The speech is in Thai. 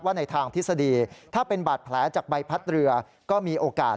ในทางทฤษฎีถ้าเป็นบาดแผลจากใบพัดเรือก็มีโอกาส